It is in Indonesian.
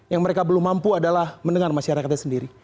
yang mereka belum mampu adalah mendengar masyarakatnya sendiri